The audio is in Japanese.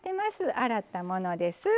洗ったものです。